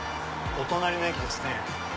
お隣の駅ですね。